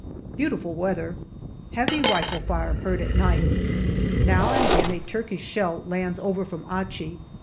Beautiful weather. Heavy rifle fire heard at night. Now and again a Turkish shell lands over from Achi.